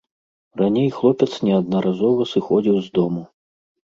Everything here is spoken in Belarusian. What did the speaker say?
Раней хлопец неаднаразова сыходзіў з дому.